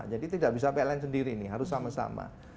jadi tidak bisa pln sendiri harus sama sama